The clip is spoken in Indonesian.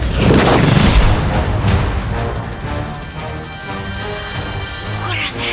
kau akan menang